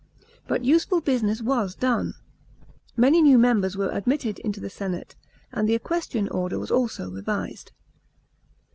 But useful business was done. Many new members were admitted into the senate, and the equestrian order was also revised.